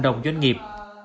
đồng doanh nghiệp